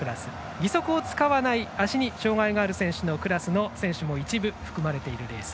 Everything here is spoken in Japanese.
義足を使わない足に障がいがあるクラスの選手も一部含まれているレース。